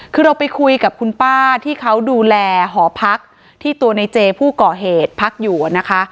คือเราไปคุยกับคุณป้าที่เขาดูแลหอพักที่ตัวในเจผู้ก่อเหตุพักอยู่นะคะ